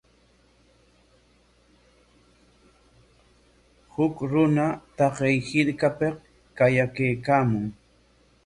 Huk runa taqay hirkapik qayakaykaamun.